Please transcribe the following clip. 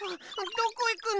どこいくの？